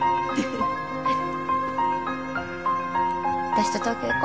私と東京行